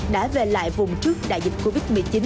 đã về lại vùng trước đại dịch covid một mươi chín